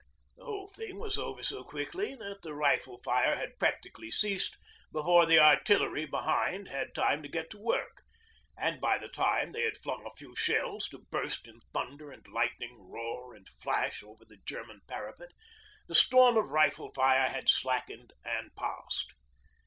The whole thing was over so quickly that the rifle fire had practically ceased before the Artillery behind had time to get to work, and by the time they had flung a few shells to burst in thunder and lightning roar and flash over the German parapet, the storm of rifle fire had slackened and passed.